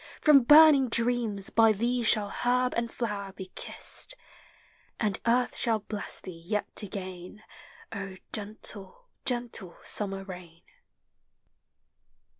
from burning dreams By thee shall herb and flower be kissed, And Earth shall bless thee }et again, gentle, gentle summer rain.